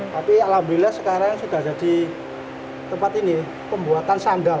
tapi alhamdulillah sekarang sudah jadi tempat ini pembuatan sandal